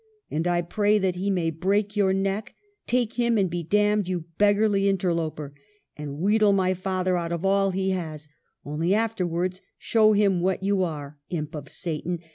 'And I pray that he may break your neck ; take him and be damned, you beggarly interloper ! and wheedle my father out of all he has : only afterwards show him what you are, imp of Satan.